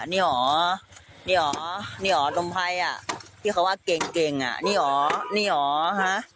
นี่อ๋อนี่อ๋อนี่อ๋อตรมไพ่อ่ะที่เขาว่าเก่งเก่งอ่ะนี่อ๋อนี่อ๋อฮะ